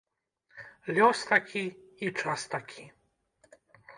Лёс такі і час такі.